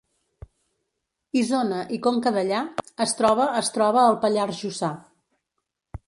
Isona i Conca Dellà es troba es troba al Pallars Jussà